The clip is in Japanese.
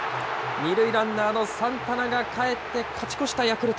２塁ランナーのサンタナがかえって、勝ち越したヤクルト。